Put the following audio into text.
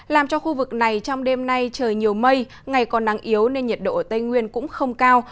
làm cho khu vực này trong đêm nay trời nhiều mây ngày còn nắng yếu nên nhiệt độ ở tây nguyên cũng không cao